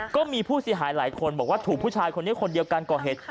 ก็มีผู้เสียหายหลายคนบอกว่าถูกผู้ชายคนนี้คนเดียวกันก่อเหตุ